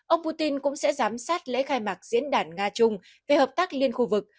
ông putin cũng sẽ giám sát lễ khai mạc diễn đàn nga trung về hợp tác liên khu vực